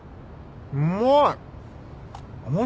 うまい。